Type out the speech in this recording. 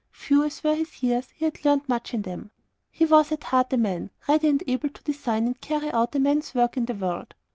Few as were his years, he had learnt much in them. He was at heart a man, ready and able to design and carry out a man's work in the world.